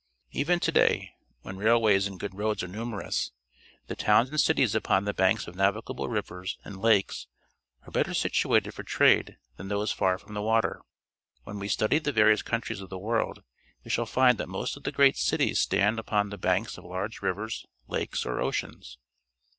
Even to day, when railwaj's and good roads are numerous, the towns and cities upon the banks of naA^gable rivers and lakes are better situated for trade than those far from the water. When we study the various countries of the world, we shall find that most of the great cities stand upon the banks of large rivers, lakes, or oceans.